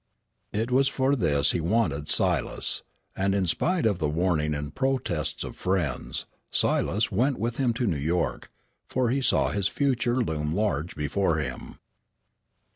It was for this he wanted Silas, and in spite of the warning and protests of friends, Silas went with him to New York, for he saw his future loom large before him.